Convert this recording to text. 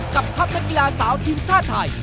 ทัพนักกีฬาสาวทีมชาติไทย